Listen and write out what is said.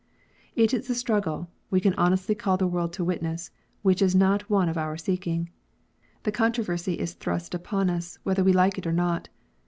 24 KNOTS UNTIED. It is a struggle, we can honestly call the world to witness, which is not one of our seeking. The controversy is thrust upon us, whether we like it or not.